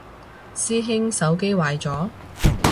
師兄手機壞咗？